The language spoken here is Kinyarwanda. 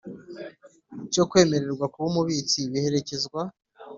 cyo kwemererwa kuba Umubitsi biherekezwa